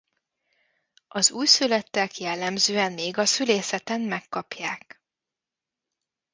Az újszülöttek jellemzően még a szülészeten megkapják.